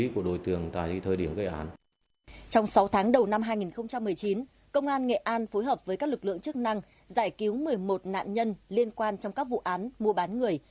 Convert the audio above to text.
công an nghệ an phối hợp với các lực lượng chức năng giải cứu một mươi một nạn nhân liên quan trong các vụ án mua bán người